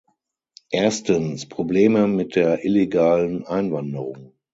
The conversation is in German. Erstens, Probleme mit der illegalen Einwanderung.